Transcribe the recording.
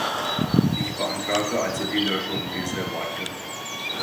Ich beantrage also die Löschung dieser Worte.